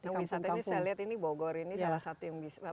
nah wisata ini saya lihat ini bogor ini salah satu yang bisa